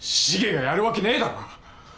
シゲがやるわけねえだろ！